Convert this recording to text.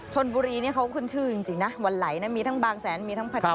ชนบุรีนี่เขาขึ้นชื่อจริงนะวันไหลนะมีทั้งบางแสนมีทั้งพัทยา